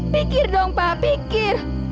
pikir dong pak pikir